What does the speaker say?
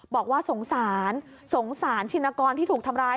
บอกว่าสงสารสงสารชินกรที่ถูกทำร้าย